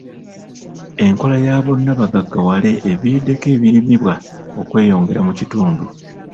Enkola ya bonnabagaggawale eviiriddeko ebirimibwa okweyongera mu kitundu.